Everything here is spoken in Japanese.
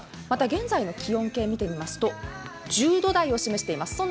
また現在の気温計を見てみますと１０度台を示しています。